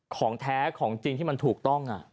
ของแท้ของจริงที่มันถูกต้อง